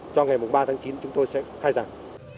cho ngày ba tháng chín chúng tôi sẽ khai giảng